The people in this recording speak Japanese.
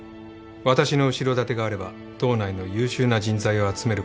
私の後ろ盾があれば道内の優秀な人材を集めることは可能です